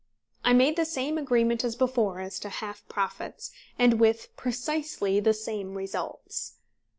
I made the same agreement as before as to half profits, and with precisely the same results.